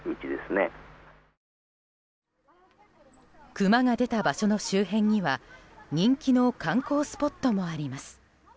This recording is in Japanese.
クマが出た場所の周辺には人気の観光スポットもあります。